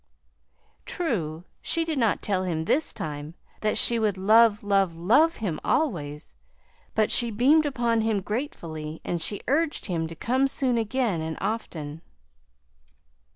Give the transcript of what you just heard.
True, she did not tell him this time that she would love, love, love him always; but she beamed upon him gratefully and she urged him to come soon again, and often.